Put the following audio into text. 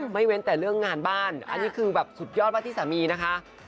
เว้นแต่เรื่องงานบ้านอันนี้คือแบบสุดยอดมากที่สามีนะคะ